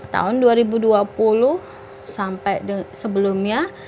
tahun dua ribu dua puluh sampai sebelumnya